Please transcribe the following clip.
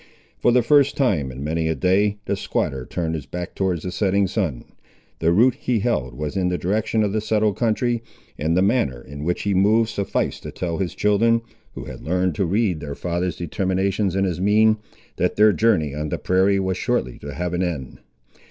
For the first time, in many a day, the squatter turned his back towards the setting sun. The route he held was in the direction of the settled country, and the manner in which he moved sufficed to tell his children, who had learned to read their father's determinations in his mien, that their journey on the prairie was shortly to have an end.